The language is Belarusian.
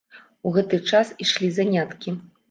У гэты час ішлі заняткі.